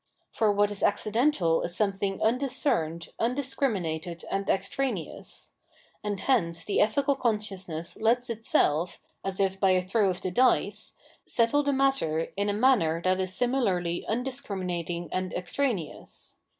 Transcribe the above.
For what is accidental is something undiscerned, un discriminated, and extraneous; and hence the ethical consciousness lets itself, as if by a throw of the dice, settle the matter in a maimer that is similarly undis criminating and extraneous.